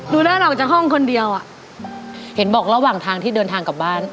เดินออกจากห้องคนเดียวอ่ะเห็นบอกระหว่างทางที่เดินทางกลับบ้าน